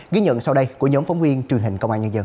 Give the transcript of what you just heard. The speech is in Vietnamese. ghi nhận sau đây của nhóm phóng viên truyền hình công an nhân dân